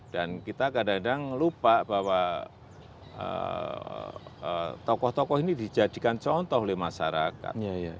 dan kita kadang kadang lupa bahwa tokoh tokoh ini dijadikan contoh oleh masyarakat